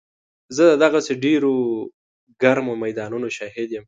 زه د دغسې ډېرو ګرمو میدانونو شاهد یم.